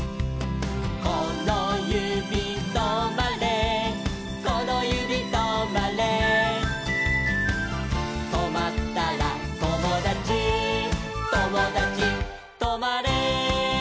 「このゆびとまれこのゆびとまれ」「とまったらともだちともだちとまれ」